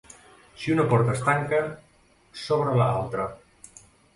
Si una porta es tanca, s'obre altra.